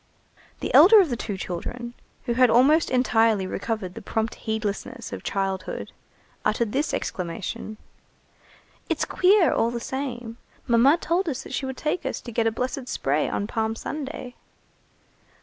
The elder of the two children, who had almost entirely recovered the prompt heedlessness of childhood, uttered this exclamation:— "It's queer, all the same. Mamma told us that she would take us to get a blessed spray on Palm Sunday."